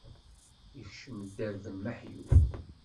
Ikcem dderb n meḥyu.